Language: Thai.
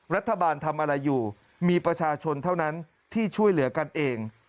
รัฐบาลทำอะไรอยู่มีประชาชนเท่านั้นที่ช่วยเหลือกันเอง